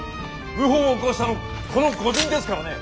謀反起こしたのこの御仁ですからね。